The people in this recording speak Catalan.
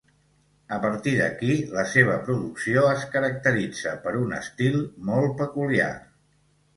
A partir d'aquí, la seva producció es caracteritza per un estil molt peculiar.